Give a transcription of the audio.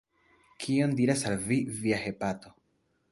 Kion diras al Vi Via hepato?